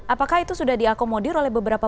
apakah itu sudah diakomodir oleh beberapa